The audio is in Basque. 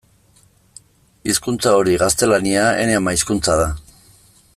Hizkuntza hori, gaztelania, ene ama-hizkuntza da.